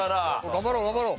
頑張ろう頑張ろう。